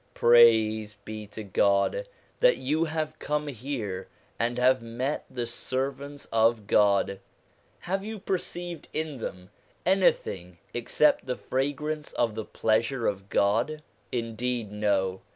Praise be to God that you have come here, and have met the servants of God ! Have you perceived in them anything except the fragrance of the pleasure of God ? Indeed, no.